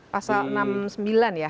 pasal enam puluh sembilan ya